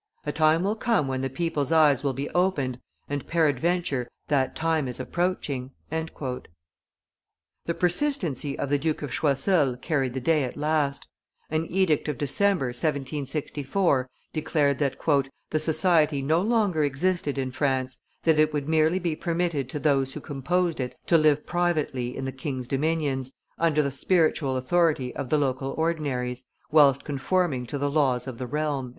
A time will come when the people's eyes will be opened, and peradventure that time is approaching." The persistency of the Duke of Choiseul carried the day at last; an edict of December, 1764, declared that "the Society no longer existed in France, that it would merely be permitted to those who composed it to live privately in the king's dominions, under the spiritual authority of the local ordinaries, whilst conforming to the laws of the realm."